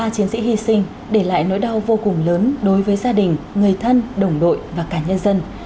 ba chiến sĩ hy sinh để lại nỗi đau vô cùng lớn đối với gia đình người thân đồng đội và cả nhân dân